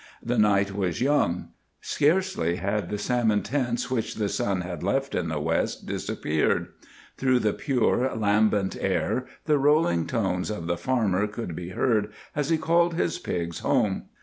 The night was young. Scarcely had the salmon tints which the sun had left in the west disappeared. Through the pure, lambent air the rolling tones of the farmer could be heard as he called his pigs home.